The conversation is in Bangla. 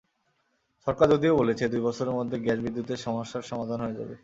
সরকার যদিও বলেছে, দুই বছরের মধ্যে গ্যাস-বিদ্যুতের সমস্যার সমাধান হয়ে যাবে।